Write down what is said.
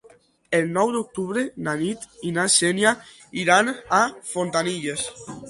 El nou d'octubre na Nit i na Xènia iran a Fontanilles.